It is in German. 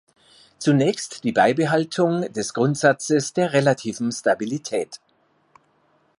Zunächst die Beibehaltung des Grundsatzes der "relativen Stabilität" .